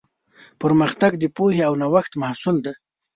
پرمختګ د پوهې او نوښت محصول دی.